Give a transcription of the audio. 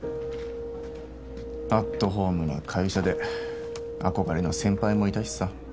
アットホームな会社で憧れの先輩もいたしさ。